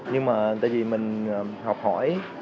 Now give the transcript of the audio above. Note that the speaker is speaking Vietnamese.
nhưng mà tại vì mình học hỏi